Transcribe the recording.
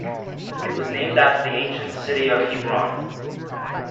It was named after the ancient city of Hebron.